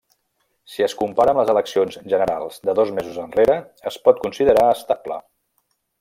Si es compara amb les eleccions generals de dos mesos enrere, es pot considerar estable.